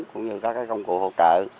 cũng như các công cụ hỗ trợ